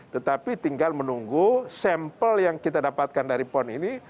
tetapi tinggal menunggu sampel yang kita dapatkan dari pon ini